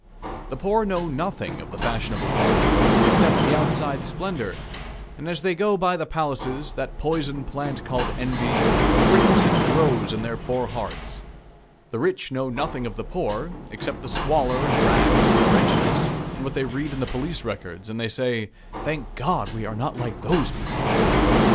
The poor know nothing of the fashionable part, except the outside splendor; and as they go by the palaces, that poison plant called envy, springs and grows in their poor hearts. The rich know nothing of the poor, except the squalor and rags and wretchedness, and what they read in the police records, and they say, "Thank God, we are not like those people!"